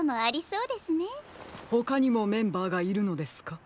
ほかにもメンバーがいるのですか？